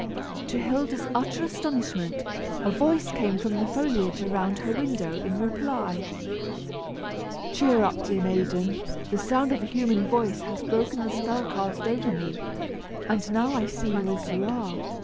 To Hilda's utter astonishment, a voice came from the foliage around her window, in reply. "Cheer up, dear maiden; the sound of a human voice has broken the spell cast over me, and I now see you as you are.